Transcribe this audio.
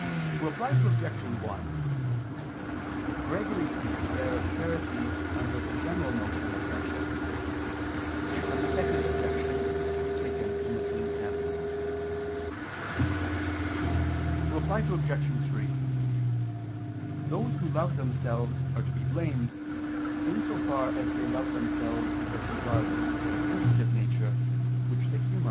Reply Obj. 1: Gregory speaks there of charity under the general notion of friendship: and the Second Objection is to be taken in the same sense. Reply Obj. 3: Those who love themselves are to be blamed, in so far as they love themselves as regards their sensitive nature, which they humor.